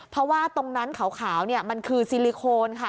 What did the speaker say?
เพราะว่าตรงนั้นขาวเนี่ยมันคือซิลิโคนค่ะ